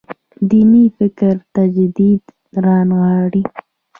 دیني فکر تجدید رانغاړي.